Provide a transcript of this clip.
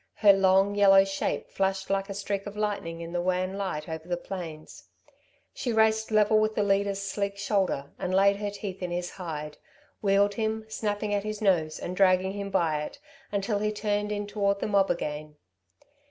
Her long, yellow shape flashed like a streak of lightning in the wan light over the plains. She raced level with the leader's sleek shoulder and laid her teeth in his hide, wheeled him, snapping at his nose and dragging him by it, until he turned in toward the mob again.